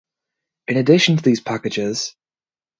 In addition to these packages